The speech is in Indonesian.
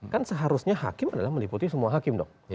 kan seharusnya hakim adalah meliputi semua hakim dong